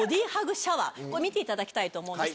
見ていただきたいと思うんです。